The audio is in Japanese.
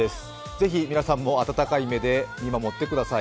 ぜひ皆さんも温かい目で見守ってください。